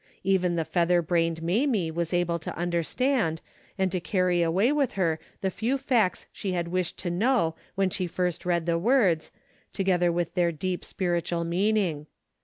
Even the feather brained Mamie was able to understand and to carry aAvay with her the few facts she had wished to know when she first read the words, together with their deep spiritual meaning.